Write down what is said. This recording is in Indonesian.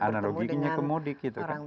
analogiknya ke mudik